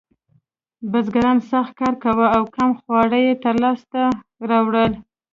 بزګرانو سخت کار کاوه او کم خواړه یې لاسته راوړل.